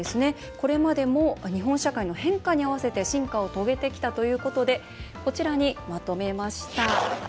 これまでも日本社会の変化に合わせて進化を遂げてきたということでこちらにまとめました。